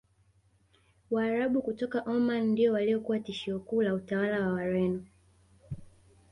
Waarabu kutoka Omani ndio waliokuwa tishio kuu la utawala wa Wareno